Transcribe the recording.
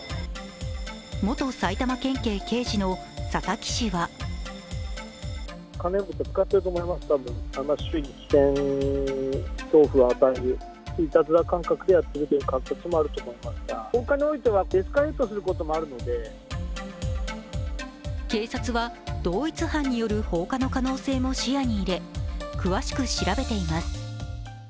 元埼玉県警刑事の佐々木氏は警察は同一犯による放火の可能性も視野に入れ詳しく調べています。